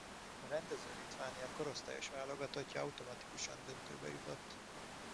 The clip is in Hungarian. A rendező Litvánia korosztályos válogatottja automatikusan döntőbe jutott.